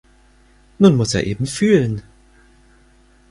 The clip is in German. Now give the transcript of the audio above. Nun muss er eben fühlen!